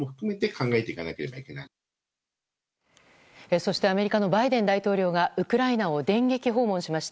そしてアメリカのバイデン大統領がウクライナを電撃訪問しました。